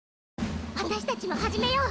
私たちも始めよう。